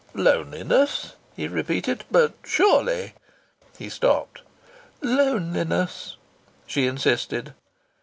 "Loneliness," he repeated. "But surely " he stopped. "Loneliness," she insisted.